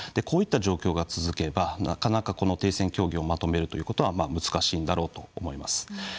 こういった状況が続けばなかなか停戦協議をまとめることは難しいんだろうと思います。